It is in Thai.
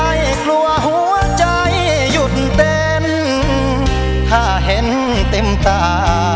กลัวหัวใจหยุดเต้นถ้าเห็นเต็มตา